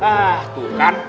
hah tuh kan